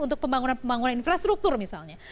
untuk pembangunan pembangunan infrastruktur misalnya